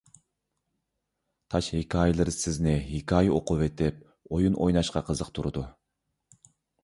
«تاش ھېكايىلىرى» سىزنى ھېكايە ئوقۇۋېتىپ ئويۇن ئويناشقا قىزىقتۇرىدۇ.